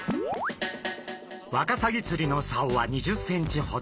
ワカサギ釣りのさおは２０ｃｍほど。